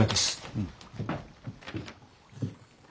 うん。